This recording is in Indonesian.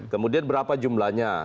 kemudian berapa jumlahnya